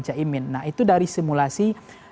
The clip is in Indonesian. caimin nah itu dari simulasi